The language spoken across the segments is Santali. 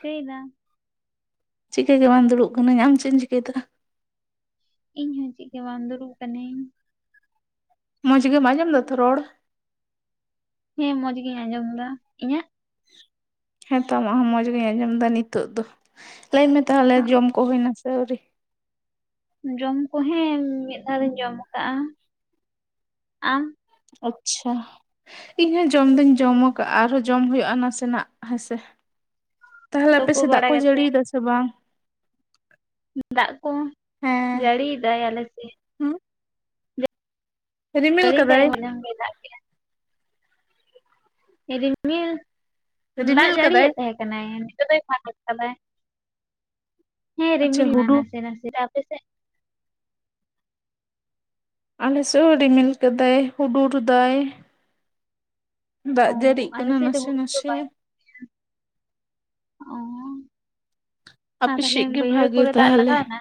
ᱠᱟᱹᱟᱹᱭ [inaudible] ᱪᱤᱠᱟᱹ ᱜᱮ ᱵᱟᱝ ᱫᱩᱲᱩᱵ ᱠᱟᱹᱱᱟᱹᱧ ᱟᱢ ᱪᱮᱫ ᱮᱢ ᱪᱤᱠᱟᱹᱭᱮᱫᱟ? ᱤᱧ ᱦᱚᱸ ᱪᱮᱫ ᱜᱮ ᱵᱟᱝ ᱫᱩᱲᱩᱵ ᱠᱟᱹᱱᱟᱹᱧ। ᱢᱚᱡᱽ ᱜᱮᱢ ᱟᱧᱡᱚᱢ ᱫᱟ ᱛᱷᱚ ᱨᱚᱲ। ᱦᱮᱸ ᱢᱚᱡᱽ ᱜᱤᱧ ᱟᱸᱡᱚᱢ ᱫᱟ ᱤᱧᱟᱹᱜ? ᱦᱮᱸ ᱛᱚ ᱟᱢᱟᱜ ᱦᱚᱸ ᱢᱚᱡᱽ ᱜᱤᱧ ᱟᱸᱡᱚᱢ ᱫᱟ ᱱᱤᱛᱚᱜ ᱫᱚ ᱞᱟᱹᱭ ᱢᱮ ᱛᱟᱦᱚᱞᱮ ᱚ, ᱡᱚᱢ ᱠᱚ ᱦᱩᱭᱱᱟ ᱥᱮ ᱟᱹᱣᱨᱤ? ᱡᱚᱢ ᱠᱚ ᱦᱮᱸ ᱢᱤᱫ ᱫᱷᱟᱣ ᱫᱚᱧ ᱡᱚᱢ ᱟᱠᱟᱫ-ᱟ ᱟᱢ? ᱟᱪᱪᱷᱟ। ᱤᱧ ᱦᱚᱸ ᱡᱚᱢ ᱫᱩᱧ ᱡᱚᱢ ᱠᱟᱜ-ᱟ ᱟᱨᱦᱚᱸ ᱡᱚᱢ ᱦᱩᱭᱩᱜ-ᱟ ᱱᱟᱥᱮᱱᱟᱜ ᱦᱮᱸ ᱥᱮ। ᱛᱟᱦᱚᱞᱮ ᱛᱳᱯᱳ ᱟᱯᱮᱥᱮᱫ ᱫᱟᱜ ᱵᱟᱲᱟ ᱠᱚ ᱠᱟᱛᱮᱜ ᱡᱟᱹᱲᱤᱭᱮᱫᱟ ᱥᱮ ᱵᱟᱝ? ᱫᱟᱜ ᱠᱚ ᱦᱮᱸ ᱡᱟᱹᱲᱤᱭᱮᱫᱟᱭ ᱟᱞᱮ ᱥᱮᱜ। ᱦᱩᱸ ᱨᱤᱢᱤᱞ ᱡᱟᱹᱲᱤ ᱮᱫᱟᱭ ᱠᱟᱫᱟᱭ ᱢᱚᱱᱮ ᱦᱚᱭ ᱫᱟᱜ᱾ ᱨᱤᱢᱤᱞ ᱫᱟᱜ ᱨᱤᱢᱤᱞ ᱠᱟᱫᱟᱭ ᱡᱟᱹᱲᱤᱭᱮᱫ ᱛᱟᱦᱮᱸ ᱠᱟᱱᱟᱭ ᱱᱤᱛᱚᱜ ᱫᱚᱭ ᱯᱷᱟᱠ ᱟᱠᱟᱫᱟᱭ। ᱦᱮᱸ ᱟᱪᱪᱷᱟ ᱨᱤᱢᱤᱞ ᱱᱟᱭ ᱦᱩᱰᱩᱨ ᱱᱟᱥᱮ ᱱᱟᱥᱮ ᱟᱯᱮ ᱥᱮᱫ? ᱟᱞᱮ ᱥᱮᱜ ᱦᱚᱸ ᱨᱤᱢᱤᱞ ᱠᱟᱫᱟᱭ, ᱦᱩᱰᱩᱨ ᱫᱟᱭ। ᱚ ᱫᱟᱜ ᱡᱟᱹᱲᱤᱜ ᱟᱞᱮ ᱠᱟᱱᱟ ᱥᱮᱫ ᱫᱚ ᱱᱟᱥᱮ ᱦᱩᱰᱩᱨ ᱫᱚ, ᱱᱟᱥᱮ ᱵᱟᱭ ᱦᱩᱰᱩᱨ ᱫᱟᱭ ᱚ᱾ ᱟᱨ ᱟᱯᱮ ᱛᱟᱦᱞᱮ ᱥᱮᱫ ᱜᱮ ᱵᱟᱹᱭᱦᱟᱹᱲ ᱵᱷᱟᱜᱮ ᱠᱚᱨᱮ, ᱫᱟᱜ ᱛᱟᱦᱚᱞᱮ ᱞᱟᱜᱟᱣᱱᱟ?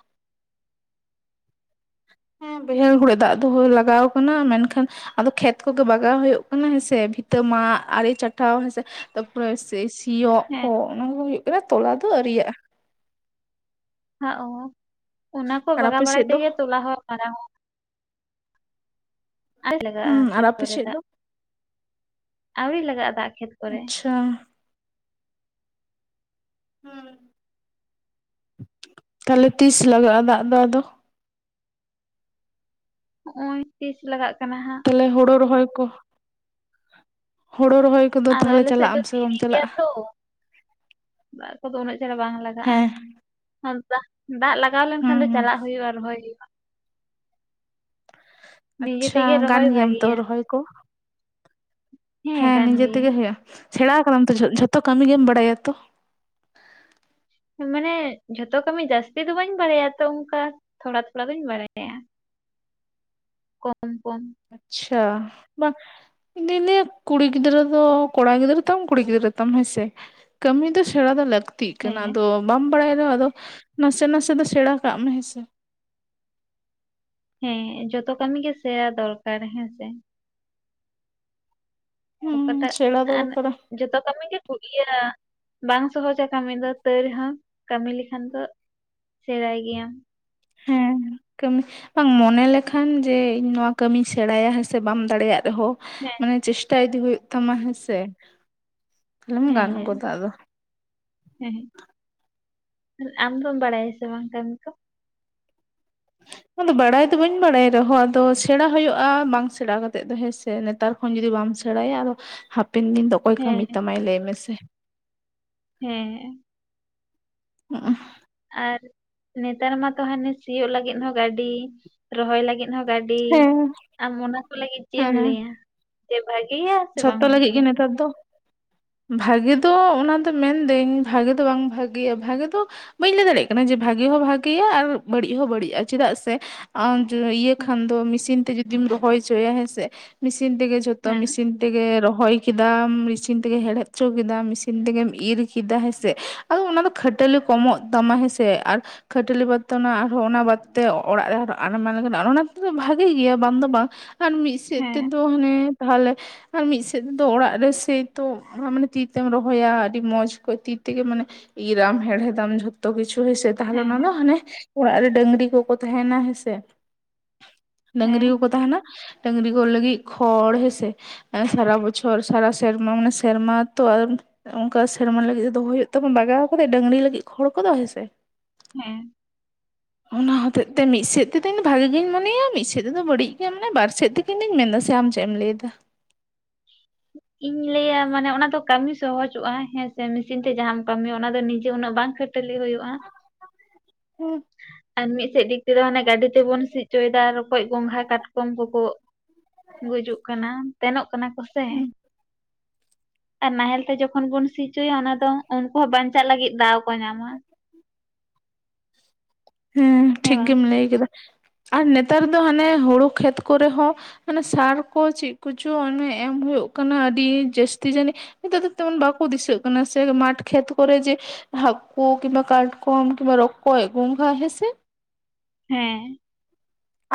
ᱦᱮᱸ ᱵᱟᱹᱭᱦᱟᱹᱲ ᱦᱚᱲᱮ ᱫᱟᱜ ᱫᱚᱦᱚ, ᱞᱟᱜᱟᱣ ᱠᱟᱱᱟ ᱢᱮᱱᱠᱷᱟᱱ ᱟᱫᱚ ᱠᱷᱮᱛ ᱠᱚᱜᱮ ᱵᱟᱜᱟᱣ ᱦᱳᱭᱳᱜ ᱠᱟᱱᱟ, ᱦᱮᱸ ᱥᱮ ᱯᱷᱤᱛᱟᱹ ᱢᱟᱜ ᱟᱲᱮ ᱪᱟᱴᱟᱣ ᱦᱮᱸᱥᱮ। ᱛᱟᱯᱚᱨᱮ ᱥᱮᱤ ᱥᱤᱭᱚᱜ ᱦᱮᱸ ᱠᱚ, ᱚᱱᱟ ᱠᱚ ᱫᱚ ᱦᱩᱭᱩᱜ ᱠᱟᱱᱟ, ᱛᱚᱞᱟ ᱫᱚ ᱟᱹᱨᱤᱭᱟᱜ-ᱟ। ᱦᱟᱸᱜ ᱦᱚᱸ ᱚᱱᱟ ᱠᱚ ᱟᱨ ᱵᱟᱜᱟᱣ ᱟᱯᱮ ᱵᱟᱲᱟᱭ ᱥᱮᱫ ᱫᱚ ᱛᱮᱜᱮ, ᱛᱚᱞᱟ ᱦᱚᱨ ᱢᱟᱨᱟᱝᱚᱜ। ᱟᱹᱣᱨᱤ ᱞᱟᱜᱟᱜᱼᱟ ᱦᱩᱸ ᱟᱨ ᱠᱷᱮᱛ ᱟᱯᱮ ᱠᱚᱨᱮ ᱥᱮᱫ ᱫᱚ ᱫᱟᱜ, ᱟᱹᱣᱨᱤ ᱞᱟᱜᱟᱜᱼᱟ ᱫᱟᱜ ᱠᱷᱮᱛ। ᱠᱚᱨᱮ ᱟᱪᱪᱷᱟ। ᱛᱟᱦᱞᱮ ᱛᱤᱥ ᱞᱟᱜᱟᱜᱼᱟ, ᱫᱟᱜ ᱫᱚ ᱟᱫᱚ? ᱦᱚᱜᱼᱚᱭ ᱛᱤᱥ ᱞᱟᱜᱟᱜ ᱠᱟᱱᱟ ᱦᱟᱸᱜ। ᱛᱟᱦᱞᱮ ᱦᱳᱲᱳ ᱨᱚᱦᱚᱭ ᱠᱚ, ᱦᱳᱲᱳ ᱨᱚᱦᱚᱭ ᱠᱚᱫᱚ, ᱟᱫᱚ ᱛᱟᱦᱟᱞᱮ ᱟᱞᱮ ᱥᱮᱫ ᱪᱟᱞᱟᱜ ᱫᱚ ᱟᱢ ᱥᱮ, ᱵᱟᱢ ᱫᱷᱤᱨᱤ ᱜᱮᱭᱟ ᱪᱟᱞᱟᱜ-ᱟ? ᱛᱚ ᱫᱟᱜ ᱠᱚᱫᱚ, ᱩᱱᱟᱹᱜ ᱪᱮᱨᱦᱟ ᱵᱟᱝ ᱞᱟᱜᱟᱜᱼᱟ। ᱦᱮᱸ ᱫᱟᱜ ᱞᱟᱜᱟᱣ ᱞᱮᱱᱠᱷᱟᱱ ᱦᱩᱸ ᱫᱚ, ᱦᱩᱸ ᱪᱟᱞᱟᱜ ᱦᱳᱭᱳᱜ-ᱟ, ᱨᱚᱦᱚᱭ ᱦᱳᱭᱳᱜ-ᱟ। ᱱᱤᱡᱮ ᱟᱪᱪᱷᱟ, ᱛᱮᱜᱮ ᱨᱚᱦᱚᱭ ᱜᱟᱱ ᱜᱮᱭᱟᱢ ᱛᱚ ᱵᱷᱟᱜᱤᱭᱟ ᱨᱚᱦᱚᱭ ᱠᱚ? ᱦᱮᱸ ᱜᱟᱱ ᱱᱤᱡᱮ ᱛᱮᱜᱮ ᱜᱤᱭᱟᱹᱧ ᱦᱳᱭᱳᱜ-ᱟ, ᱥᱮᱬᱟ ᱠᱟᱫᱟᱢ ᱛᱚ, ᱡᱷᱚ ᱡᱷᱚᱛᱚ ᱠᱟᱹᱢᱤ ᱜᱮᱢ ᱵᱟᱲᱟᱭᱟ ᱛᱚ? ᱢᱟᱱᱮ ᱡᱷᱚᱛᱚ ᱠᱟᱹᱢᱤ ᱡᱟᱹᱥᱛᱤ ᱫᱚ, ᱵᱟᱹᱧ ᱵᱟᱲᱟᱭᱟ ᱛᱚ ᱚᱱᱠᱟ, ᱛᱷᱚᱲᱟ ᱛᱷᱚᱲᱟ ᱫᱚᱧ ᱵᱟᱲᱟᱭᱟ। ᱠᱚᱢ, ᱠᱚᱢ᱾ ᱟᱪᱪᱷᱟ, ᱵᱟ᱾ ᱤᱧᱫᱩᱧ ᱞᱟᱹᱭᱟ ᱠᱩᱲᱤ ᱜᱤᱫᱽᱨᱟᱹ ᱫᱚ, ᱠᱚᱲᱟ ᱜᱤᱫᱽᱨᱟᱹ ᱛᱟᱢ ᱠᱩᱲᱤ ᱜᱤᱫᱽᱨᱟᱹ ᱛᱟᱢ, ᱦᱮᱸᱥᱮ। ᱠᱟᱹᱢᱤ ᱫᱚ, ᱥᱮᱬᱟ ᱫᱚ ᱞᱟᱹᱠᱛᱤ। ᱛᱤᱜ ᱠᱟᱱᱟ, ᱦᱮᱸ ᱟᱫᱚ ᱵᱟᱢ ᱵᱟᱲᱟᱭᱟ, ᱫᱚ ᱟᱫᱚ ᱱᱟᱥᱮ ᱱᱟᱥᱮ ᱫᱚ, ᱥᱮᱬᱟ ᱠᱟᱜ ᱢᱮ ᱦᱮᱸᱥᱮ। ᱦᱮᱸ ᱡᱚᱛᱚ ᱠᱟᱹᱢᱤ ᱜᱮ ᱥᱮ, ᱥᱮᱬᱟ ᱫᱚᱨᱠᱟᱨ ᱦᱮᱸ ᱥᱮ। ᱦᱩᱸ ᱚᱠᱟᱴᱟᱜ ᱥᱮᱬᱟ ᱟᱨ ᱫᱚᱨᱠᱟᱨᱟ ᱡᱚᱛᱚ, ᱠᱟᱹᱢᱤ ᱜᱮ ᱤᱭᱟᱹ, ᱵᱟᱝ ᱥᱚᱦᱚᱡᱟ ᱠᱟᱹᱢᱤ ᱫᱚ, ᱛᱟᱹᱣ ᱨᱮ ᱦᱚᱸ ᱠᱟᱹᱢᱤ ᱞᱮᱠᱷᱟᱱ ᱫᱚ, ᱥᱮᱬᱟᱭ ᱜᱮᱭᱟᱢ। ᱦᱮᱸ, ᱠᱟᱹᱢᱤ। ᱵᱟᱝ ᱢᱚᱱᱮ ᱞᱮᱠᱷᱟᱱ, ᱡᱮ ᱤᱧ ᱱᱚᱶᱟ ᱠᱟᱹᱢᱤᱧ ᱥᱮᱬᱟᱭᱟ, ᱦᱮᱸ ᱥᱮ ᱵᱟᱢ ᱫᱟᱲᱮᱭᱟᱜ ᱨᱮᱦᱚᱸ। ᱦᱮᱸ, ᱢᱟᱱᱮ ᱪᱮᱥᱴᱟ ᱤᱫᱤ, ᱦᱳᱭᱳᱜ ᱛᱟᱢᱟ ᱦᱮᱸᱥᱮ᱾ ᱛᱟᱦᱞᱮᱢ ᱜᱟᱱ ᱦᱮᱸ, ᱜᱚᱫᱟ ᱟᱫᱚ ᱦᱮᱸ, ᱟᱢ ᱫᱚᱢ ᱵᱟᱲᱟᱭᱟ ᱥᱮ ᱵᱟᱝ, ᱠᱟᱹᱢᱤ ᱠᱚ? ᱟᱫᱚ ᱵᱟᱲᱟᱭ ᱫᱚ ᱵᱟᱹᱧ ᱵᱟᱲᱟᱭ ᱨᱮᱦᱚᱸ, ᱟᱫᱚ ᱥᱮᱬᱟ ᱦᱳᱭᱳᱜᱼᱟ, ᱵᱟᱝ ᱥᱮᱬᱟ ᱠᱟᱛᱮ ᱫᱚ, ᱦᱮᱸᱥᱮ ᱱᱮᱛᱟᱨ ᱛᱚᱠᱷᱚᱱ ᱡᱩᱫᱤ ᱵᱟᱢ ᱥᱮᱬᱟᱭᱟ, ᱟᱫᱚ ᱦᱟᱯᱮᱱ ᱫᱤᱱ ᱫᱚ ᱚᱠᱚᱭ ᱠᱟᱹᱢᱤ ᱦᱮᱸ ᱛᱟᱢᱟᱭ, ᱞᱟᱹᱭ ᱢᱮᱥᱮ? ᱦᱮᱸ, ᱦᱩᱜ ᱩᱸ, ᱟᱨ ᱱᱮᱛᱟᱨ ᱢᱟᱛᱚ, ᱦᱟᱱᱮ ᱥᱤᱭᱳᱜ ᱞᱟᱹᱜᱤᱫ ᱦᱚᱸ ᱜᱟᱹᱰᱤ, ᱨᱚᱦᱚᱭ ᱞᱟᱹᱜᱤᱫ ᱦᱚ ᱜᱟᱹᱰᱤ, ᱦᱮᱸ ᱟᱢ ᱚᱱᱟ ᱠᱚ ᱞᱟᱹᱜᱤᱫ ᱪᱮᱜ ᱮᱢ ᱦᱮᱸ ᱞᱟᱹᱭᱟ? ᱡᱮ ᱵᱷᱟᱜᱮᱭᱟ ᱥᱮ ᱵᱟᱝ ᱡᱷᱚᱛᱚ ᱞᱟᱹᱜᱤᱜ ᱵᱷᱟᱜᱮᱭᱟ? ᱜᱮ, ᱱᱮᱛᱟᱨ ᱫᱚ᱾ ᱵᱷᱟᱜᱮ ᱫᱚ ᱚᱱᱟ ᱫᱚ ᱢᱮᱱᱫᱟᱹᱧ, ᱵᱷᱟᱜᱮ ᱫᱚ ᱵᱟᱝ ᱵᱷᱟᱜᱮᱭᱟ, ᱵᱷᱟᱜᱮ ᱫᱚ ᱵᱟᱹᱧ ᱞᱟᱹᱭ ᱫᱟᱲᱮᱭᱟᱜ ᱠᱟᱱᱟ ᱡᱮ, ᱵᱷᱟᱹᱜᱮ ᱦᱚᱸ ᱵᱷᱟᱜᱮᱭᱟ, ᱟᱨ ᱵᱟᱹᱲᱤᱡ ᱦᱚᱸ ᱵᱟᱹᱲᱤᱡᱼᱟ᱾ ᱪᱮᱫᱟᱜ ᱥᱮ ᱟᱸ ᱤᱭᱟᱹ ᱦᱮᱸ ᱠᱷᱟᱱ ᱫᱚ, ᱢᱮᱥᱤᱱ ᱛᱮ ᱡᱩᱫᱤᱢ ᱨᱚᱦᱚᱭ ᱦᱚᱪᱚᱭᱟ, ᱦᱮᱸᱥᱮ ᱢᱮᱥᱤᱱ ᱛᱮᱜᱮ ᱡᱷᱚ ᱛᱚ ᱦᱮᱸ ᱢᱮᱤᱥᱤᱱ, ᱛᱮᱜᱮ ᱨᱚᱦᱚᱭ ᱠᱮᱫᱟᱢ, ᱢᱮᱥᱤᱱ ᱛᱮᱜᱮ ᱦᱮᱲᱦᱮᱫ ᱪᱚ ᱠᱮᱫᱟᱢ, ᱢᱮᱥᱤᱱ ᱛᱮᱜᱮᱢ ᱤᱨ ᱠᱮᱫᱟ, ᱦᱮᱸᱥᱮ᱾ ᱟᱫᱚ ᱚᱱᱟ ᱫᱚ ᱠᱷᱟᱹᱴᱟᱹᱞᱤ ᱠᱚᱢᱚᱜ ᱛᱟᱢᱟ ᱦᱮᱸᱥᱮ ᱟᱨ ᱠᱷᱟᱹᱴᱟᱹᱞᱤ ᱵᱟᱫᱽᱛᱮᱚ ᱟᱨᱦᱚᱸ ᱚᱱᱟ ᱵᱟᱫᱛᱮ ᱚᱲᱟᱜ [unintelligible] ᱚᱱᱟ ᱛᱮᱫᱚ ᱵᱷᱟᱜᱮ ᱜᱮᱭᱟ ᱵᱟᱝ ᱫᱚ ᱵᱟᱝ᱾ ᱟᱨ ᱢᱤᱫ ᱥᱮᱫ ᱦᱮᱸ ᱛᱮᱫᱚ ᱦᱟᱱᱮ ᱛᱟᱦᱚᱞᱮ ᱟᱨ ᱢᱤᱫ ᱥᱮᱫ ᱛᱮᱫᱚ ᱚᱲᱟᱜ ᱨᱮ ᱥᱮᱭ ᱛᱚ, ᱢᱟᱱᱮ ᱛᱤ ᱛᱮᱢ ᱨᱚᱦᱚᱭᱟ ᱟᱹᱰᱤ ᱢᱚᱸᱡᱽ ᱠᱚ ᱛᱤ ᱛᱮᱜᱮ ᱢᱟᱱᱮ ᱤᱨ ᱟᱢ ᱦᱮᱲᱦᱮ ᱫᱟᱢ ᱡᱚᱛᱚ ᱠᱤᱪᱷᱩ ᱦᱮᱸ ᱥᱮ᱾ ᱛᱟᱦᱚᱞᱮ ᱚᱱᱟ ᱫᱚ ᱦᱟᱱᱮ ᱚᱲᱟᱜ ᱨᱮ ᱰᱟᱹᱝᱨᱤ ᱠᱚᱠᱚ ᱛᱟᱦᱮᱱᱟ ᱦᱮᱸᱥᱮ᱾ ᱰᱟᱹᱝᱨᱤ ᱦᱮᱸ ᱠᱚᱠᱚ ᱛᱟᱦᱮᱱᱟ, ᱰᱟᱹᱝᱨᱤ ᱠᱚ ᱞᱟᱹᱜᱤᱫ ᱠᱷᱚᱲ ᱦᱮ ᱥᱮ ᱥᱟᱨᱟ ᱵᱚᱪᱚᱨ ᱥᱟᱨᱟ ᱥᱮᱨᱢᱟ ᱢᱟᱱᱮ ᱥᱮᱨᱢᱟ ᱛᱚ ᱟᱨ ᱚᱝᱠᱟ ᱥᱮᱨᱢᱟ ᱞᱟᱹᱜᱤᱫ ᱫᱚᱦᱚᱭ ᱦᱩᱭᱩᱜ ᱛᱟᱵᱚᱱ ᱵᱟᱜᱟᱣ ᱠᱟ ᱠᱟᱛᱮ ᱰᱟᱹᱝᱨᱤ ᱞᱟᱹᱜᱤᱫ ᱠᱷᱚᱲ ᱠᱚᱫᱚ ᱦᱮᱸᱥᱮ᱾ ᱦᱮᱸ ᱚᱱᱟ ᱦᱚᱛᱮᱡ ᱛᱮ ᱢᱤᱫ ᱥᱮᱫ ᱛᱮᱫᱚ ᱵᱷᱟᱜᱤ ᱜᱤᱧ ᱢᱚᱱᱮᱭᱟ ᱢᱤᱫ ᱥᱮᱫ ᱛᱮᱫᱚ ᱵᱟᱹᱲᱤᱡ ᱜᱮᱭᱟ ᱢᱟᱱᱮ ᱵᱟᱨ ᱥᱮᱫ ᱛᱮ ᱤᱱᱟᱹᱧ ᱢᱮᱱᱮᱫᱟ ᱥᱮ ᱟᱢ ᱪᱮᱫ ᱮᱢ ᱞᱟᱹᱭ ᱮᱫᱟ? [inaudible] ᱤᱧ ᱞᱟᱹᱭᱟ ᱢᱟᱱᱮ ᱚᱱᱟ ᱫᱚ ᱠᱟᱹᱢᱤ ᱥᱚᱦᱚᱡᱚᱜ-ᱟ, ᱦᱮᱸ ᱥᱮ ᱢᱮᱥᱤᱱ ᱛᱮ ᱡᱟᱦᱟᱸᱢ ᱠᱟᱹᱢᱤ ᱚᱱᱟ ᱫᱚ ᱱᱤᱡᱮ ᱩᱱᱟᱹᱜ ᱵᱟᱝ ᱠᱷᱟᱹᱴ ᱴᱟᱞᱤ ᱦᱩᱭᱩᱜ-ᱟ᱾ ᱦᱩᱸ ᱟᱨ ᱢᱤᱫᱥᱮᱫ ᱫᱤᱠ ᱛᱮᱫᱚ ᱦᱟᱱᱮ ᱜᱟᱹᱰᱤ ᱛᱮᱵᱚᱱ ᱥᱤᱜ ᱚᱪᱚᱭᱮᱫᱟ ᱨᱚᱠᱚᱡ, ᱜᱚᱝᱜᱷᱟ, ᱠᱟᱴᱠᱚᱢ, ᱠᱚᱠᱚ ᱜᱩᱡᱩᱜ ᱠᱟᱱᱟ, ᱛᱮᱱᱚᱜ ᱠᱟᱱᱟ ᱠᱚᱥᱮ᱾ ᱟᱨ ᱱᱟᱦᱮᱞ ᱛᱮ ᱡᱚᱠᱷᱚᱱ ᱵᱚᱱ ᱥᱤᱪᱚᱭᱟ ᱚᱱᱟ ᱫᱚ ᱩᱱᱠᱩ ᱦᱚᱸ ᱵᱟᱧᱪᱟᱜ ᱞᱟᱹᱜᱤᱫ ᱫᱟᱣ ᱠᱚ ᱧᱟᱢᱟ᱾ ᱦᱮᱸ ᱴᱷᱤᱠ ᱜᱮᱢ ᱞᱟᱹᱭ ᱠᱟᱫᱟ, ᱟᱨ ᱱᱮᱛᱟᱨ ᱫᱚ ᱦᱟᱱᱮ ᱦᱩᱲᱩ ᱠᱷᱮᱛ ᱠᱚᱨᱮ ᱦᱚᱸ ᱢᱟᱱᱮ ᱥᱟᱨ ᱠᱚ ᱪᱮᱫ ᱠᱚᱪᱚ ᱚᱱᱮ ᱮᱢ ᱦᱳᱭᱳᱜ ᱠᱟᱱᱟ ᱟᱹᱰᱤ ᱡᱟᱹᱥᱛᱤ ᱡᱟᱹᱱᱤᱡ᱾ ᱱᱮᱛᱟᱨ ᱫᱚ ᱛᱮᱢᱚᱱ ᱵᱟᱠᱚ ᱫᱤᱥᱟᱹᱜ ᱠᱟᱱᱟ ᱥᱮ ᱢᱟᱴᱷ ᱠᱷᱮᱛ ᱠᱚᱨᱮ ᱡᱮ ᱦᱟᱹᱠᱳ, ᱠᱤᱵᱟ ᱠᱟᱴᱠᱚᱢ, ᱠᱤᱵᱟ ᱨᱚᱠᱚᱡ, ᱮ ᱜᱚᱝᱜᱷᱟ, ᱦᱮ ᱥᱮ᱾ ᱦᱮᱸ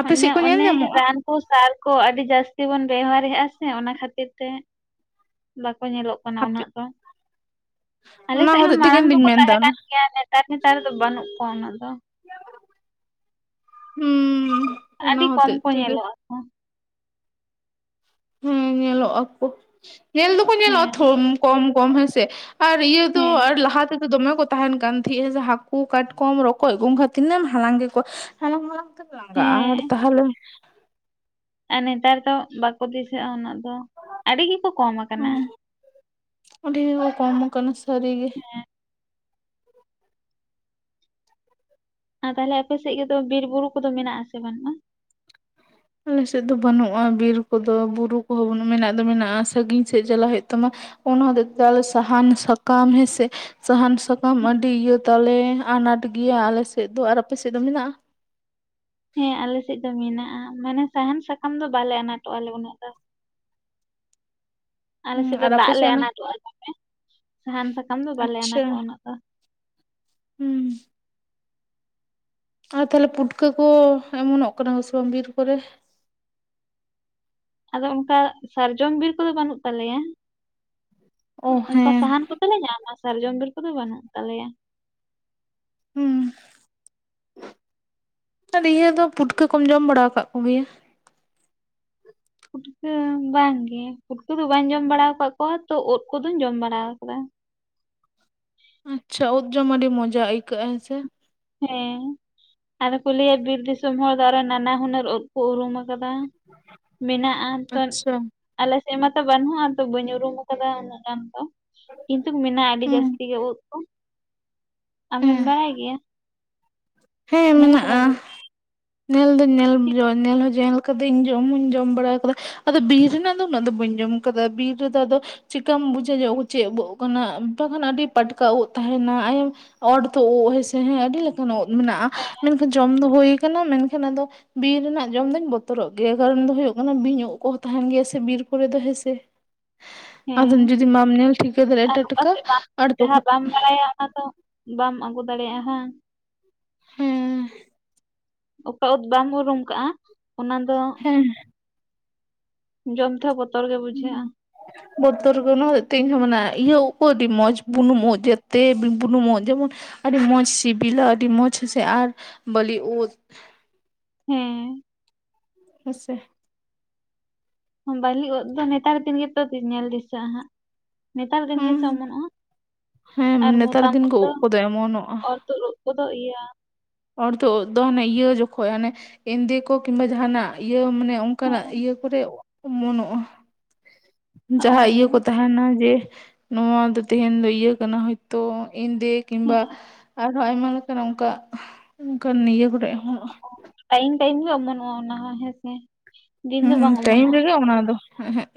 ᱟᱯᱮ ᱟᱱᱮ ᱥᱮᱫ ᱠᱚ ᱧᱮᱞ ᱚᱱᱮ ᱧᱟᱢᱚᱜᱼᱟ? ᱨᱟᱱ ᱠᱩ ᱥᱟᱨ ᱠᱚ ᱟᱹᱰᱤ ᱡᱟᱹᱥᱛᱤ ᱵᱚᱱ ᱵᱮᱣᱦᱟᱨᱮᱫ-ᱟ ᱥᱮ ᱚᱱᱟ ᱠᱷᱟᱹᱛᱤᱨ ᱛᱮ ᱵᱟᱠᱚ ᱧᱮᱞᱚᱜ ᱠᱟᱱᱟ ᱟᱯᱮ ᱩᱱᱟᱹᱜ ᱫᱚ᱾ ᱚᱱᱟ ᱟᱞᱮᱥᱮᱫ ᱦᱚᱸ ᱦᱚᱛᱮᱡ ᱛᱮᱜᱮ ᱢᱟᱲᱟᱝ ᱞᱤᱧ ᱫᱚᱠᱚ ᱛᱟᱦᱮᱸ ᱢᱮᱱᱫᱟ ᱠᱟᱱ ᱜᱮᱭᱟ᱾ ᱱᱮᱛᱟᱨ ᱱᱮᱛᱟᱨ ᱫᱚ ᱵᱟᱹᱱᱩᱜ ᱠᱚᱣᱟ ᱩᱱᱟᱹᱜ ᱫᱚ᱾ ᱦᱩᱸ ᱚᱱᱟ ᱟᱹᱰᱤ ᱠᱚᱢ ᱦᱚᱛᱮᱡ ᱠᱚ ᱛᱮᱜᱮ ᱧᱮᱞᱚᱜ-ᱟ ᱟᱠᱚ᱾ ᱦᱮᱸ ᱧᱮᱞᱚᱜ-ᱟ ᱟᱠᱚ ᱧᱮᱞ ᱫᱚᱠᱚ ᱧᱮᱞᱚᱜ-ᱟ ᱦᱮᱸ ᱠᱚᱢ ᱠᱚᱢ ᱦᱮᱸᱥᱮ᱾ ᱟᱨ ᱤᱭᱟᱹ ᱫᱚ ᱦᱮᱸ ᱟᱨ ᱞᱟᱦᱟ ᱛᱮ ᱫᱚᱢᱮ ᱠᱚ ᱛᱟᱦᱮᱱ ᱠᱟᱱ ᱛᱟᱦᱮᱸᱜ-ᱟ ᱡᱮ ᱦᱟᱹᱠᱩ ᱠᱟᱴᱠᱚᱢ ᱨᱚᱠᱚᱡ ᱟᱹᱜ ᱠᱷᱟᱱ ᱛᱤᱱᱟᱹᱜ ᱦᱟᱞᱟᱝ ᱜᱮᱠᱚᱣᱟ ᱦᱟᱞᱟᱝᱦᱟᱞᱟᱝ ᱞᱟᱝᱜᱟ ᱟᱨ ᱦᱮᱸ ᱛᱟᱦᱟᱞᱮ ᱟᱨ ᱱᱮᱛᱟᱨ ᱫᱚ ᱵᱟᱠᱚ ᱫᱤᱥᱟᱹᱜ-ᱟ ᱩᱱᱟᱹᱜ ᱫᱚ ᱟᱹᱰᱤ ᱜᱮᱠᱚ ᱠᱚᱢ ᱠᱟᱱᱟ᱾ ᱦᱚᱸ ᱟᱹᱰᱤ ᱜᱮ ᱠᱚ ᱠᱚᱢ ᱠᱟᱱᱟ ᱥᱟᱹᱨᱤ ᱜᱮ᱾ ᱟᱨ ᱛᱟᱦᱚᱞᱮ ᱟᱯᱮ ᱥᱮᱫ ᱜᱮᱛᱚ ᱵᱤᱨ ᱵᱩᱨᱩ ᱠᱚᱫᱚ ᱢᱮᱱᱟᱜ ᱟ ᱥᱮ ᱵᱟᱱᱩᱜ-ᱟ? ᱟᱞᱮ ᱥᱮᱫ ᱫᱚ ᱵᱟᱹᱱᱩᱜ-ᱟ ᱵᱤᱨ ᱠᱚᱫᱚ ᱵᱩᱨᱩ ᱠᱚᱦᱚᱸ ᱵᱟᱱᱩᱜ ᱢᱮᱱᱟᱜ ᱫᱚ ᱢᱮᱱᱟᱜ-ᱟ ᱥᱟᱺᱜᱤᱧ ᱥᱮᱫ ᱪᱟᱞᱟᱜ ᱦᱩᱭᱩᱜ ᱛᱟᱢᱟ᱾ ᱚᱱᱟ ᱦᱚᱛᱮ ᱛᱮ ᱟᱞᱮ ᱥᱟᱦᱟᱱ ᱥᱟᱠᱟᱢ ᱦᱮᱸ ᱥᱮ ᱥᱟᱦᱟᱱ ᱥᱟᱠᱟᱢ ᱟᱹᱰᱤ ᱤᱭᱟᱹ ᱛᱟᱞᱮ ᱟᱱᱟᱴ ᱜᱮᱭᱟ ᱟᱞᱮ ᱥᱮᱫ ᱫᱚ ᱟᱨ ᱟᱯᱮ ᱥᱮᱫ ᱫᱚ ᱢᱮᱱᱟᱜ-ᱟ? ᱦᱮᱸ ᱟᱞᱮᱥᱮᱫ ᱫᱚ ᱢᱮᱱᱟᱜ-ᱟ ᱢᱟᱱᱮ ᱥᱟᱦᱟᱱ ᱥᱟᱠᱟᱢ ᱫᱚ ᱵᱟᱞᱮ ᱟᱱᱟᱴᱚᱜ ᱟᱞᱮ ᱩᱱᱟᱹᱜ ᱫᱚ᱾ ᱟᱞᱮ ᱦᱩᱸ ᱥᱮᱫ ᱫᱚ ᱟᱨ ᱟᱯᱮ ᱫᱟᱜ ᱞᱮ ᱚᱱᱟ ᱟᱱᱟᱴᱚᱜ-ᱟ ᱥᱟᱦᱟᱱ ᱥᱟᱠᱟᱢ ᱫᱚ ᱵᱟᱞᱮ ᱟᱪᱪᱷᱟ ᱟᱱᱟᱴᱚᱜ-ᱟ ᱩᱱᱟᱹᱜ ᱫᱚ᱾ ᱦᱩᱸ ᱟᱨ ᱛᱟᱦᱚᱞᱮ ᱯᱩᱴᱠᱟᱹ ᱠᱚ ᱮᱢᱚᱱᱚᱜ ᱠᱟᱱᱟ ᱠᱚ ᱥᱮ ᱵᱟᱝ ᱵᱤᱨ ᱠᱚᱨᱮ? ᱟᱫᱚ ᱚᱱᱠᱟ ᱥᱟᱨᱡᱚᱢ ᱵᱤᱨ ᱠᱚᱫᱚ ᱵᱟᱹᱱᱩᱜ ᱛᱟᱞᱮᱭᱟ ᱚ ᱚᱱᱠᱟ ᱦᱮᱸ ᱥᱟᱦᱟᱱ ᱠᱚ ᱫᱚᱞᱮ ᱧᱟᱢᱟ ᱥᱟᱨᱡᱚᱢ ᱵᱤᱨ ᱠᱚᱫᱚ ᱵᱟᱹᱱᱩᱜ ᱛᱟᱞᱮᱭᱟ ᱦᱩᱸ ᱟᱨ ᱤᱭᱟᱹ ᱫᱚ ᱯᱩᱴᱠᱟᱹ ᱠᱚᱢ ᱡᱚᱢ ᱵᱟᱲᱟᱣ ᱠᱟᱫ ᱠᱚ ᱜᱮᱭᱟ? ᱯᱩᱴᱠᱟᱹ ᱵᱟᱝ ᱜᱮ, ᱯᱩᱴᱠᱟᱹ ᱫᱚ ᱵᱟᱹᱧ ᱡᱚᱢ ᱵᱟᱲᱟᱣ ᱠᱟᱫ ᱠᱚᱣᱟ ᱛᱚ᱾ ᱩᱫ ᱠᱚᱫᱚᱧ ᱡᱚᱢ ᱵᱟᱲᱟᱣ ᱠᱟᱫᱟ᱾ ᱟᱪᱪᱷᱟ, ᱩᱫ ᱡᱚᱢ ᱟᱹᱰᱤ ᱢᱚᱡᱟ ᱟᱹᱭᱠᱟᱹᱜᱼᱟ ᱦᱮᱸ ᱥᱮ᱾ ᱦᱮᱸ, ᱟᱫᱚ ᱠᱚ ᱞᱟᱹᱭᱟ ᱵᱤᱨ ᱫᱤᱥᱚᱢ ᱦᱚᱲ ᱫᱚ ᱟᱨᱚ ᱱᱟᱱᱟ ᱦᱩᱱᱟᱹᱨ ᱩᱫ ᱠᱚ ᱩᱨᱩᱢ ᱟᱠᱟᱫᱟ᱾ ᱢᱮᱱᱟᱜᱼᱟ ᱛᱚ ᱟᱪᱪᱷᱟ ᱟᱞᱮᱥᱮᱫ ᱢᱟᱛᱚ ᱵᱟᱹᱱᱩᱜᱼᱟ ᱛᱚ, ᱵᱟᱹᱧ ᱩᱨᱩᱢ ᱟᱠᱟᱫᱟ ᱩᱱᱟᱹᱜ ᱜᱟᱱ ᱛᱚ᱾ ᱠᱤᱱᱛᱩ ᱢᱮᱱᱟᱜᱼᱟ ᱟᱹᱰᱤ ᱦᱩᱸ ᱡᱟᱹᱥᱛᱤ ᱜᱮ ᱩᱫ ᱠᱚ᱾ ᱟᱢᱮᱢ ᱦᱮᱸ ᱵᱟᱲᱟᱭ ᱜᱮᱭᱟ? [inaudible] ᱧᱮᱞ ᱠᱟᱫᱟᱢ ᱩᱫ? ᱱᱮᱞ ᱫᱚ ᱧᱮᱞ ᱡᱮᱞ [unintelligible] ᱠᱟᱹᱫᱟᱹᱧ ᱡᱚᱢ ᱦᱩᱧ ᱡᱚᱢ ᱵᱟᱲᱟᱣ ᱠᱟᱫᱟ᱾ ᱟᱫᱚ ᱵᱤᱨ ᱨᱮᱱᱟᱜ ᱫᱚ ᱩᱱᱟᱹᱜ ᱫᱚ ᱵᱟᱹᱧ ᱡᱚᱢ ᱠᱟᱫᱟ᱾ ᱵᱤᱨ ᱨᱮᱫᱚ ᱟᱫ ᱟᱫᱚ ᱪᱤᱠᱟᱢ ᱵᱩᱡᱷᱟᱹ ᱧᱚᱜ ᱪᱮᱫ ᱩᱫ ᱠᱟᱱᱟ, ᱵᱟᱠᱷᱟᱱ ᱟᱹᱰᱤ ᱯᱟᱴᱠᱟ ᱩᱫ ᱛᱟᱸᱦᱮᱸᱱᱟ᱾ ᱚᱨᱫᱚ ᱩᱫ ᱦᱮᱸᱥᱮ ᱦᱮᱸ ᱟᱹᱰᱤ‌ ᱞᱮᱠᱟᱱ ᱩᱫ ᱢᱮᱱᱟᱜᱼᱟ, ᱦᱮᱸ ᱢᱮᱱᱠᱷᱟᱱ ᱡᱚᱢ ᱫᱚ ᱦᱩᱭ ᱠᱟᱱᱟ ᱢᱮᱱᱠᱷᱟᱱ ᱟᱫᱚ ᱵᱤᱨ ᱨᱮᱱᱟᱜ ᱡᱚᱢ ᱫᱩᱧ ᱵᱚᱛᱚᱨᱚᱜ ᱜᱮᱭᱟ, ᱠᱟᱨᱚᱱ ᱫᱚ ᱦᱩᱭᱩᱜ ᱠᱟᱱᱟ ᱵᱤᱧ ᱩᱫ ᱠᱚᱦᱚᱸ ᱛᱟᱸᱦᱮᱸᱱ ᱜᱮᱭᱟ ᱥᱮ ᱵᱤᱨ ᱠᱚᱨᱮ ᱫᱚ ᱦᱮᱸᱥᱮ᱾ ᱛ ᱟᱫᱚ ᱦᱮᱸ ᱡᱩᱫᱤ ᱵᱟᱢ ᱧᱮᱞ ᱴᱷᱤᱠᱟᱹ ᱟᱨ ᱫᱟᱲᱮᱭᱟᱜᱼᱟ ᱚᱠᱟ ᱴᱟᱴᱠᱟ ᱥᱮᱫ ᱟᱨ ᱡᱟᱸᱦᱟᱸ ᱛᱚᱠᱷᱚᱱ ᱵᱟᱢ ᱵᱟᱲᱟᱭᱟ, ᱚᱱᱟ ᱫᱚ ᱵᱟᱢ ᱟᱜᱩ ᱫᱟᱲᱮᱭᱟᱜᱼᱟ ᱦᱟᱸ᱾ ᱦᱮᱸᱻ᱾ ᱚᱠᱟ ᱩᱫ ᱵᱟᱢ ᱩᱨᱩᱢ ᱠᱟᱜᱼᱟ, ᱚᱱᱟ ᱫᱚ ᱦᱮᱸ ᱡᱚᱢ ᱛᱮᱦᱚᱸ ᱵᱚᱛᱚᱨ ᱜᱮ ᱵᱩᱡᱷᱟᱹᱜᱼᱟ᱾ ᱵᱚᱛᱚᱨ ᱜᱮ ᱚᱱᱟᱛᱮ ᱤᱧᱦᱚᱸ ᱤᱭᱟᱹ ᱠᱚ ᱟᱹᱰᱤ ᱢᱚᱡᱽ ᱵᱩᱱᱩᱢᱚᱜ ᱡᱮᱛᱮ ᱵᱩᱱᱩᱢ ᱵᱩᱱᱩᱢᱚᱜ ᱡᱮᱢᱚᱱ ᱟᱹᱰᱤ ᱢᱚᱡᱽ ᱥᱤᱵᱤᱞᱟ ᱥᱮ ᱟᱹᱰᱤ ᱢᱚᱡᱽ ᱦᱮᱸᱥᱮ ᱟᱨ ᱵᱟ. ᱞᱤ ᱩᱫ ᱦᱮᱸ᱾ ᱦᱮᱸ ᱥᱮ᱾ ᱵᱟᱹᱞᱤ ᱩᱫ ᱫᱚ ᱱᱮᱛᱟᱨ ᱫᱤᱱ ᱜᱮᱛᱚ ᱧᱮᱞ ᱫᱤᱥᱟᱹᱜᱼᱟ ᱦᱟᱸᱜ᱾ ᱱᱮᱛᱟᱨ ᱫᱤᱱ ᱜᱮ ᱦᱩᱸ ᱥᱮ ᱚᱢᱚᱱᱚᱜᱼᱟ? ᱦᱮᱸ ᱟᱨ ᱱᱮᱛᱟᱨ ᱢᱚᱛᱟᱢ ᱫᱤᱱ ᱩᱫ ᱠᱚ ᱫᱚ ᱠᱚᱫᱚ ᱮᱢᱚᱱᱚᱜᱼᱟ ᱚᱨ ᱛᱩᱫ ᱛᱩᱫᱩᱜ ᱮᱭᱟ᱾ ᱚᱨᱛᱷᱚ ᱩᱫ ᱫᱚ ᱦᱟᱱᱮ ᱤᱭᱟᱹ ᱡᱚᱠᱷᱚᱱ ᱦᱟᱱᱮ ᱮᱸᱫᱮ ᱠᱚ ᱠᱤᱢᱵᱟ ᱡᱟᱦᱟᱱᱟᱜ ᱤᱭᱟᱹ ᱢᱟᱱᱮ ᱚᱱᱠᱟ ᱱᱟᱜ ᱦᱮᱸ ᱤᱭᱟᱹ ᱠᱚᱨᱮ ᱚᱢᱚᱱᱚᱜᱼᱟ᱾ ᱚ ᱡᱟᱸᱦᱟᱸ ᱤᱭᱟᱹ ᱠᱚ ᱛᱟᱸᱦᱮᱱᱟ ᱡᱮ ᱱᱚᱣᱟ ᱫᱚ ᱛᱮᱦᱮᱧ ᱫᱚ ᱤᱭᱟᱹ ᱠᱟᱱᱟ ᱦᱚᱭ ᱛᱚ ᱤᱱᱫᱮᱸ ᱦᱮᱸ ᱠᱤᱢᱵᱟ ᱟᱨ ᱟᱭᱢᱟ ᱞᱮᱠᱟᱱ, ᱚᱱᱠᱟ ᱚᱱᱠᱟᱱ ᱱᱤᱭᱟᱹ ᱠᱚᱨᱮ ᱦᱚᱸ ᱚ ᱴᱟᱭᱤᱢ ᱴᱟᱭᱤᱢ ᱜᱮ ᱚᱢᱚᱱᱚᱜᱼᱟ, ᱚᱱᱟ ᱦᱚᱸ ᱦᱮᱸᱥᱮ᱾ ᱫᱤᱱ ᱫᱚ ᱦᱩᱸ ᱵᱟᱝ ᱴᱟᱭᱤᱢ ᱚᱢᱚᱱᱚᱜᱼᱟ ᱨᱮᱜᱮ ᱚᱱᱟ ᱫᱚ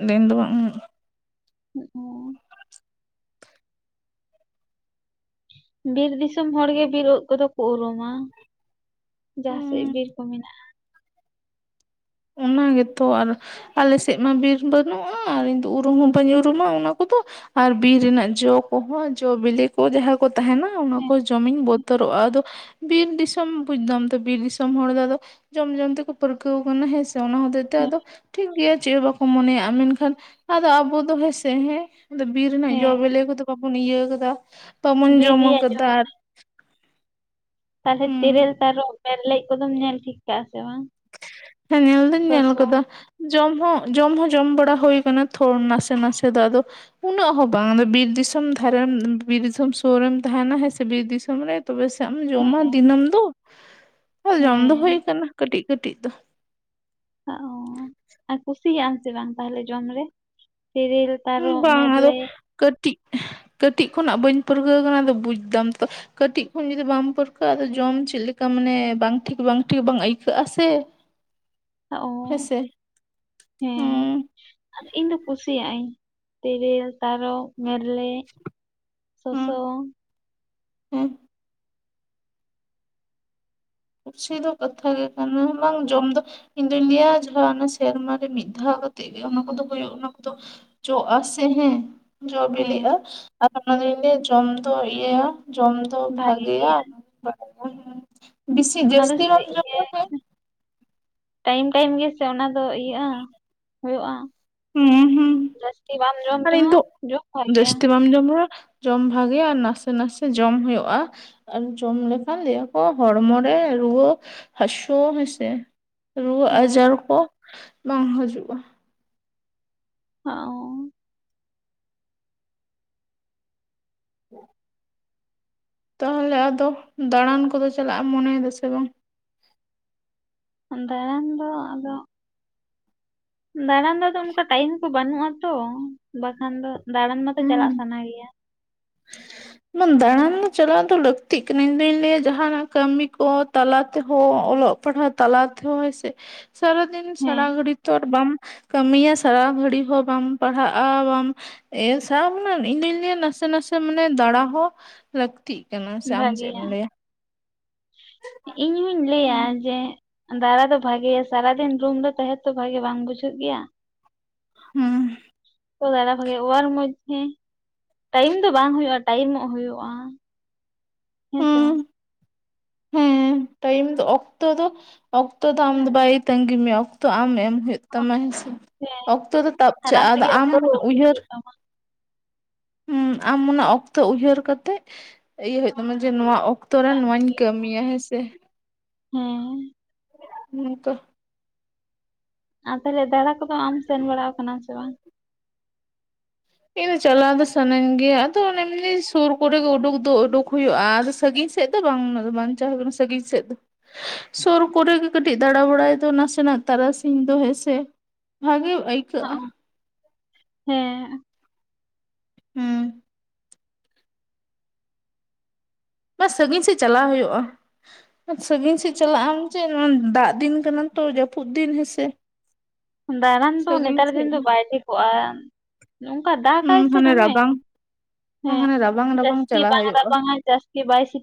ᱫᱤᱱ ᱫᱚ ᱵᱟᱝ? ᱚ ᱵᱤᱨ ᱫᱤᱥᱚᱢ ᱦᱚᱲ ᱜᱮ, ᱵᱤᱨ ᱩᱫ ᱠᱚᱫᱚ ᱠᱚ ᱩᱨᱩᱢᱟ, ᱡᱟᱸᱦᱟᱸ ᱥᱮᱫ ᱦᱩᱸ ᱵᱤᱨ ᱠᱚ ᱢᱮᱱᱟᱜᱼᱟ᱾ ᱚᱱᱟ ᱜᱮᱛᱚ ᱟᱨ ᱟᱞᱮ ᱥᱮᱫ ᱢᱟ ᱵᱤᱨ ᱵᱟᱹᱱᱩᱜᱼᱟ ᱟᱨ ᱤᱧᱫᱚ ᱩᱨᱩᱢ ᱦᱚᱸ ᱵᱟᱹᱧ ᱩᱨᱩᱢᱟ᱾ ᱚᱱᱟ ᱠᱚᱫᱚ ᱟᱨ ᱵᱤᱨ ᱨᱮᱱᱟᱜ ᱡᱚ ᱠᱚᱦᱚᱸ ᱡᱚ ᱵᱤᱞᱤ ᱠᱚ, ᱡᱟᱦᱟᱸ ᱠᱚ ᱛᱟᱸᱦᱮᱱᱟ᱾ ᱚᱱᱟᱠᱚ ᱦᱮᱸ ᱡᱚᱢᱤᱧ ᱵᱚ ᱵᱚᱛᱚᱨᱚᱜᱼᱟ᱾ ᱟᱫᱚ ᱵᱤᱨ ᱫᱤᱥᱚᱢ ᱵᱩᱡᱫᱟᱢ ᱛᱚ ᱵᱤᱨ ᱫᱤᱥᱚᱢ ᱦᱚᱲ ᱫᱚ ᱟᱫᱚ ᱡᱚᱢ ᱡᱚᱢ ᱛᱮᱠᱚ ᱯᱟᱹᱨᱠᱟᱹᱣ ᱦᱮᱸ ᱥᱮ ᱚᱱᱟ ᱦᱚᱛᱮᱪ ᱛᱮ ᱦᱮᱸ ᱟᱫᱚ ᱴᱷᱤᱠ ᱜᱮᱭᱟ ᱪᱮᱫ ᱵᱟ? ᱢᱚᱱᱮᱭᱟᱜᱼᱟ, ᱢᱮᱱᱠᱷᱟᱱ ᱟᱫᱚ ᱟᱵᱚ ᱫᱚ ᱦᱮᱸᱥᱮ ᱦᱮᱸ ᱵᱤᱨ ᱨᱮᱱᱟᱜ ᱡᱚ ᱦᱮᱸ ᱵᱤᱞᱤ ᱠᱚᱫᱚ ᱵᱟᱵᱚᱱ ᱤᱭᱟᱹ ᱟᱠᱟᱫᱟ, ᱵᱟᱵᱚᱱ ᱵᱤᱨ ᱡᱚᱢ‌ ᱨᱮᱭᱟᱜ ᱡᱚ ᱟᱠᱟᱫᱟ᱾ ᱛᱟᱦᱚᱞᱮ ᱦᱩᱸ ᱛᱮᱨᱮᱞ, ᱛᱟᱨᱚᱵ, ᱵᱮᱨᱞᱮᱡ, ᱠᱚᱫᱚᱢ ᱧᱮᱞ ᱴᱷᱤᱠ ᱠᱟᱜᱼᱟ ᱥᱮ ᱵᱟᱝ? ᱦᱮᱸ ᱧᱮᱞ ᱫᱩᱧ ᱧᱮᱞ ᱥᱚᱥᱚ ᱠᱟᱫᱟ᱾ ᱡᱚᱢ ᱦᱚᱸ ᱡᱚᱢ ᱦᱚᱸ ᱡᱚᱢ ᱵᱟᱲᱟ ᱦᱩᱭ ᱟᱠᱟᱱᱟ ᱛᱚ, ᱱᱟᱥᱮ ᱱᱟᱥᱮ ᱫᱚ ᱟᱫᱚ ᱩᱱᱟᱹᱜ ᱦᱚᱸ ᱵᱟᱝ ᱟ ᱵᱤᱨ ᱫᱤᱥᱚᱢ ᱫᱷᱟᱨᱮ ᱵᱤᱨ ᱫᱤᱥᱚᱢ ᱥᱩᱨ ᱨᱮᱢ ᱛᱟᱦᱮᱱᱟ ᱦᱮᱸ ᱥᱮ ᱵᱤᱨ ᱫᱤᱥᱚᱢ ᱨᱮ ᱛᱚᱵᱮ ᱥᱮ ᱮᱢ ᱡᱚᱢᱟ ᱦᱮᱸ ᱫᱤᱱᱟᱹᱢ ᱫᱚ ᱡᱚᱢ ᱫᱚ ᱦᱩᱭ ᱦᱮᱸ ᱠᱟᱱᱟ ᱠᱟᱹᱴᱤᱡ ᱠᱟᱹᱴᱤᱡ ᱫᱚ᱾ ᱟᱨ ᱠᱩᱥᱤᱭᱟᱜ-ᱟ ᱥᱮ ᱵᱟᱝ ᱛᱟᱦᱚᱞᱮ ᱡᱚᱢ ᱨᱮ ᱛᱮᱨᱮᱞ ᱛᱟᱨᱚᱵ ᱵᱟᱝ ᱟᱫᱚ ᱢᱮᱨᱞᱮᱡ ᱠᱟᱹᱴᱤᱡ ᱠᱟᱹᱴᱤᱡ ᱠᱷᱚᱱᱟᱜ ᱵᱟᱹᱧ ᱯᱟᱹᱨᱩᱨᱜᱟᱹᱣ ᱠᱟᱱᱟ ᱟᱫᱚ ᱵᱩᱡᱫᱟᱢ ᱛᱚ ᱠᱟᱹᱴᱤᱡ ᱠᱷᱚᱱ ᱡᱩᱫᱤ ᱵᱟᱢ ᱯᱟᱹᱨᱠᱟᱹᱜ-ᱟ ᱟᱫᱚ‌ ᱡᱚᱢ ᱪᱮᱫ ᱞᱮᱠᱟ ᱢᱟᱱᱮ ᱵᱟᱝ ᱴᱷᱤᱠ ᱵᱟᱝ ᱴᱷᱤᱠ ᱵᱟᱝ ᱟᱹᱭᱠᱟᱹᱜ-ᱟ ᱥᱮ [inaudible] ᱚ ᱦᱮᱸᱥᱮ ᱦᱩᱸ ᱦᱮᱸ ᱟᱨ ᱤᱧ ᱫᱚᱧ ᱠᱩᱥᱤᱭᱟᱭᱟᱹᱧ ᱛᱮᱨᱮᱞ, ᱛᱟᱨᱚᱵ, ᱢᱮᱞᱮᱜ, ᱦᱩᱸ ᱥᱚᱥᱚ, ᱦᱩᱸ ᱠᱩᱥᱤ ᱫᱚ ᱠᱟᱛᱷᱟ ᱜᱮ ᱠᱟᱱᱟ ᱵᱟᱝ ᱡᱚᱢ ᱫᱚ ᱤᱧ ᱫᱩᱧ ᱞᱟᱹᱭᱟ ᱡᱟᱦᱟᱸ ᱥᱮᱨᱢᱟ ᱨᱮ ᱢᱤᱫ ᱫᱷᱟᱣ ᱠᱟᱛᱮᱜ ᱜᱮ ᱚᱱᱟ ᱠᱚᱫᱚ ᱦᱩᱭᱩᱜ ᱚᱱᱟ ᱠᱚᱫᱚ ᱡᱚ‌ ᱟᱥᱮ ᱦᱮᱸ ᱡᱚ ᱵᱤᱞᱤᱜ-ᱟ ᱦᱮᱸ ᱟᱨ ᱚᱱᱟ ᱫᱚᱧ ᱞᱟᱹᱭᱟ ᱡᱚᱢ ᱫᱚ ᱤᱭᱟᱹᱭᱟ ᱡᱚᱢ ᱫᱚ ᱵᱷᱟᱜᱮ ᱵᱷᱟᱜᱮᱭᱟ᱾ ᱜᱮᱭᱟ ᱸ [unintelligible] ᱚᱱᱟ ᱫᱚ ᱤᱭᱟᱹ ᱴᱟᱭᱤᱢ ᱴᱟᱭᱤᱢ ᱜᱮ ᱚᱱᱟ ᱫᱚ ᱤᱭᱟᱹᱜ-ᱟ ᱦᱩᱭᱩᱜ-ᱟ ᱦᱩᱸ ᱦᱩᱸ ᱡᱟᱹᱥᱛᱤ ᱵᱟᱝ ᱟᱨ ᱤᱧ ᱫᱚ ᱡᱟᱹᱥᱛᱤ ᱵᱟᱢ ᱡᱚᱢ ᱨᱮᱦᱚ ᱡᱚᱢ ᱵᱷᱟᱜᱮᱭᱟ‌ ᱟᱨ ᱱᱟᱥᱮ ᱱᱟᱥᱮ ᱡᱚᱢ ᱦᱩᱭᱩᱜ-ᱟ᱾ ᱟᱨ ᱡᱚᱢ ᱞᱮᱠᱷᱟᱱ ᱞᱟᱹᱭ ᱟᱠᱚ ᱦᱚᱲᱢᱚ ᱨᱮ ᱨᱩᱣᱟᱹ ᱦᱟᱥᱩ ᱦᱮᱸᱥᱮ ᱨᱩᱣᱟᱹ ᱦᱮᱸ ᱟᱡᱟᱨ ᱠᱚ ᱵᱟᱝ ᱦᱤᱡᱩᱜ-ᱟ᱾ ᱦᱚᱸ ᱦᱮᱸ ᱛᱟᱦᱚᱞᱮ ᱟᱫᱚ ᱫᱟᱬᱟᱱ ᱠᱚᱫᱚ ᱪᱟᱞᱟᱜ ᱮᱢ ᱢᱚᱱᱮᱭᱮᱫᱟ ᱥᱮ ᱵᱟᱝ? ᱫᱟᱲᱟᱱ ᱫᱚ ᱟᱫᱚ ᱫᱟᱲᱟ ᱫᱚᱫᱚ ᱚᱱᱠᱟ ᱴᱟᱭᱤᱢ ᱠᱚ ᱵᱟᱹᱱᱩᱜ-ᱟᱛᱚ ᱵᱟᱠᱷᱟᱱ ᱫᱚ ᱫᱟᱬᱟᱱ ᱢᱟᱛᱚ ᱪᱟᱞᱟᱜ ᱥᱟᱱᱟ ᱜᱮᱭᱟ᱾ [inaudible] ᱫᱟᱬᱟᱱ ᱪᱟᱞᱟᱜ ᱫᱚ ᱞᱟᱹᱠᱛᱤᱜ ᱠᱟᱱᱟ ᱤᱧᱫᱩᱧ ᱞᱟᱹᱭᱟ ᱡᱟᱦᱟᱱᱟᱜ ᱠᱟᱹᱢᱤ ᱠᱚ ᱛᱟᱞᱟ ᱛᱮᱦᱚᱸ ᱚᱞᱚᱜ ᱛᱟᱞᱟ ᱛᱮᱦᱚ ᱦᱮᱹᱥᱮ ᱥᱟᱨᱫᱤᱱ ᱦᱮᱸ ᱥᱟᱲᱟ ᱜᱟᱹᱲᱤᱡ ᱛᱚ ᱵᱟᱢ ᱠᱟᱹᱢᱤᱭᱟ ᱥᱟᱨᱟ ᱜᱷᱟᱹᱲᱤ ᱦᱚᱸ ᱵᱟᱢ ᱯᱟᱲᱦᱟᱜ-ᱟ ᱵᱟᱢ ᱮ ᱥᱟᱣ ᱤᱧ ᱫᱚᱧ ᱞᱟᱹᱭᱟ ᱱᱟᱥᱮ ᱱᱟᱥᱮ ᱥᱮ ᱢᱟᱱᱮ ᱫᱟᱲᱟ ᱦᱚᱸ ᱞᱟᱹᱠᱛᱤᱜ ᱠᱟᱱᱟ ᱥᱮ ᱟᱢ ᱪᱮᱫ ᱮᱢ ᱵᱷᱟᱜᱮᱭᱟ ᱞᱟᱹᱭ ᱟ? ᱤᱧ ᱦᱩᱧ ᱞᱟᱹᱭᱟ ᱦᱩᱸ ᱡᱮ ᱫᱟᱲᱟ ᱫᱚ ᱵᱷᱟᱜᱮᱭᱟ ᱥᱟᱨᱟᱫᱤᱱ ᱨᱩᱢ ᱨᱮ ᱛᱟᱦᱮᱸ ᱛᱚ ᱵᱷᱟᱜᱤ ᱵᱟᱝ ᱵᱩᱡᱷᱟᱹᱜ ᱜᱮᱭᱟ᱾ ᱦᱩᱸ ᱛᱚ ᱫᱟᱲᱟ ᱵᱷᱟᱜᱮ ᱟᱨ ᱢᱚᱫᱫᱷᱮ ᱴᱟᱭᱤᱢ ᱫᱚ ᱵᱟᱝ ᱦᱩᱭᱩᱜ-ᱟ ᱴᱟᱭᱤᱢᱚᱜ ᱦᱩᱭᱩᱜ-ᱟ ᱦᱮᱸ ᱥᱮ ᱦᱩᱸ ᱵᱟᱝ ᱦᱮᱸ ᱴᱟᱭᱤᱢ ᱫᱚ ᱚᱠᱛᱚ ᱫᱚ ᱚᱠᱛᱚ ᱫᱚ ᱟᱢ ᱫᱚ ᱵᱟᱭ ᱛᱟᱸᱜᱤ ᱢᱮᱭᱟ ᱚᱠᱛᱚ ᱟᱢ ᱮᱢ ᱦᱩᱭᱩᱜ ᱛᱟᱢᱟ᱾ ᱛᱟᱢᱟ ᱦᱮᱸᱥᱮ ᱦᱮᱸ ᱚᱠᱛᱚ ᱫᱚ ᱛᱟᱵ ᱟᱨ ᱪᱟᱜ-ᱟ ᱟᱫᱚ ᱛᱮᱜᱮ ᱟᱢ ᱚᱠᱛᱚ ᱫᱚ ᱩᱰᱩᱠ ᱩᱭᱦᱟᱹᱨ ᱦᱩᱭᱩᱜ ᱛᱟᱢᱟ ᱦᱩᱸ ᱟᱢ ᱚᱱᱟ ᱚᱠᱛᱚ ᱩᱭᱦᱟᱹᱨ ᱠᱟᱛᱮ ᱤᱭᱟᱹ ᱦᱩᱭᱩᱜ ᱛᱟᱢᱟ ᱡᱮ ᱱᱚᱣᱟ ᱚᱠᱛᱚ ᱚᱠᱛᱚ ᱨᱮ ᱴᱟᱭᱤᱢ ᱱᱚᱣᱟᱧ ᱦᱩᱭᱩᱜ ᱠᱟᱹᱢᱤᱭᱟ ᱦᱮᱸ ᱥᱮ ᱦᱮᱸ ᱦᱩᱸ ᱛᱚ ᱟᱨ ᱛᱟᱦᱚᱞᱮ ᱫᱟᱬᱟ ᱠᱚᱫᱚ ᱟᱢ ᱥᱮᱱ ᱵᱟᱲᱟ ᱠᱟᱱᱟ ᱥᱮ ᱵᱟᱝ? ᱤᱧ ᱫᱚ ᱪᱟᱞᱟᱣ ᱫᱚ ᱥᱟᱱᱟᱧ ᱜᱮᱭᱟ ᱟᱫᱚ ᱚᱱᱮᱢᱟᱹᱧ ᱥᱩᱨ ᱠᱚᱨᱮᱜ ᱩᱰᱩᱠ ᱫᱚ ᱩᱰᱩᱠ ᱦᱩᱭᱩᱜ ᱟᱫᱚ ᱥᱟᱺᱜᱤᱧ ᱥᱮᱫ ᱵᱟᱝ ᱫᱚ ᱵᱟᱧᱪᱟᱞᱟᱣ ᱦᱩᱭᱩᱜ ᱠᱟᱱᱟ ᱥᱟᱹᱜᱤᱧ ᱥᱮᱫ ᱫᱚ ᱥᱩᱨ ᱠᱚᱨᱮ ᱜᱮ ᱠᱟᱹᱴᱤᱡ ᱫᱟᱬᱟ ᱵᱟᱲᱟᱭ ᱫᱚ ᱱᱟᱥᱮᱱᱟᱜ ᱛᱟᱨᱟᱥᱤᱧ ᱫᱚ ᱦᱳᱭ ᱥᱮ ᱵᱷᱟᱜᱤ ᱟᱹᱭ [unintelligible] ᱦᱮᱸ ᱦᱩᱸ ᱵᱟ ᱥᱟᱺᱜᱤᱧ ᱥᱮᱫ ᱪᱟᱞᱟᱣ ᱦᱩᱭᱩᱜᱼᱟ᱾ ᱥᱟᱺᱜᱤᱧ ᱥᱮᱫ ᱪᱟᱞᱟᱜ ᱟᱢ ᱪᱮᱫ ᱫᱟᱜ ᱫᱤᱱ ᱠᱟᱱᱟᱢ ᱛᱚ ᱡᱟᱹᱯᱩᱫ ᱫᱤᱱ ᱦᱮᱸᱥᱮ ᱫᱟᱬᱟᱱ ᱫᱚ ᱥᱟᱺᱜᱤᱧ ᱱᱮᱛᱟᱨ ᱥᱮᱫ ᱫᱤᱱ ᱫᱚ ᱵᱟᱭ ᱴᱷᱤᱠ ᱚᱜᱼᱟ᱾ ᱱᱚᱝᱠᱟ ᱫᱟᱜᱟᱭ ᱥᱮ ᱦᱟᱱᱮ ᱫᱚᱢᱮ ᱨᱟᱵᱟᱝ ᱦᱮᱸ ᱦᱟᱱᱮ ᱨᱟᱵᱟᱝ ᱨᱟᱵᱟᱝ ᱡᱟᱹᱥᱛᱤ ᱪᱟᱞᱟᱜ ᱵᱟᱝ ᱦᱩᱭᱩᱜᱼᱟ ᱨᱟᱵᱟᱝᱟ ᱡᱟᱹᱥᱛᱤ ᱵᱟᱭ ᱥᱤ